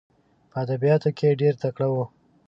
په ادبیاتو کې ډېر تکړه وو.